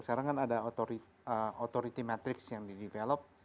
sekarang kan ada authority matrix yang di develop